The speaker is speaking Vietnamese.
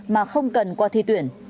mà không cần qua thi tuyển